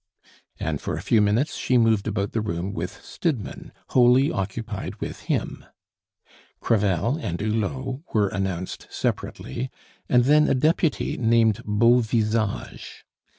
And for a few minutes she moved about the room with Stidmann, wholly occupied with him. Crevel and Hulot were announced separately, and then a deputy named Beauvisage.